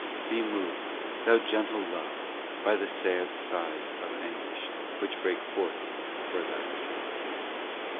Be moved, Thou gentle Love, by the sad sighs Of anguish, which break forth for Thy return.